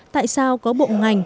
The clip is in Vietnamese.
tại sao có bộ ngành